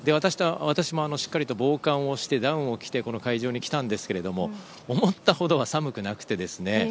私もしっかりと防寒をして、ダウンを着てこの会場に来たんですけど思ったほどは寒くなくて。